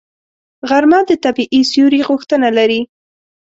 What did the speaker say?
غرمه د طبیعي سیوري غوښتنه لري